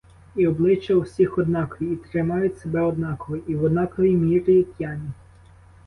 І обличчя у всіх однакові, і тримають себе однаково, і в однаковій мірі п'яні.